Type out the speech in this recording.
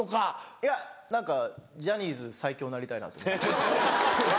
いや何かジャニーズ最強になりたいなと。